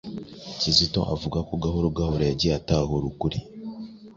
Kizito avuga ko gahoro gahoro yagiye atahura ukuri